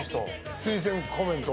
推薦コメント。